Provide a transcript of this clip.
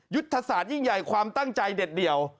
ยุทธศาสตร์ยิ่งใหญ่ความตั้งใจเด็ดเดี่ยว